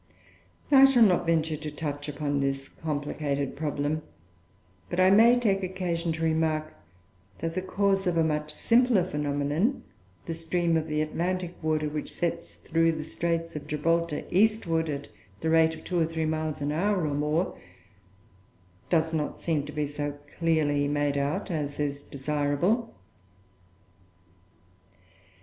I shall not venture to touch upon this complicated problem; but I may take occasion to remark that the cause of a much simpler phenomenon the stream of Atlantic water which sets through the Straits of Gibraltar, eastward, at the rate of two or three miles an hour or more, does not seem to be so clearly made out as is desirable.